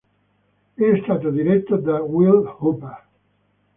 È stato diretto da Will Hooper.